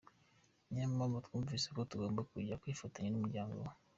Niyo mpamvu twumvise ko tugomba kujya kwifatanya n’umuryango we”.